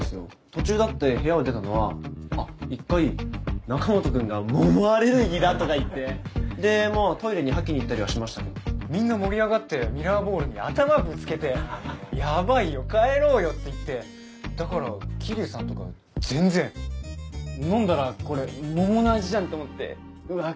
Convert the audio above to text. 途中だって部屋を出たのはあっ１回中本君が桃アレルギーだとか言ってでまぁトイレに吐きに行ったりはしてましたけどみんな盛り上がってミラーボ「ヤバいよ帰ろうよ」って言ってだから桐生さんとか全然飲んだらこれ桃の味じゃんって思ってうわ